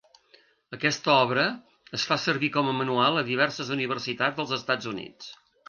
Aquesta obra es fa servir com a manual a diverses universitats dels Estats Units.